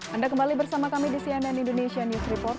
anda kembali bersama kami di cnn indonesia news report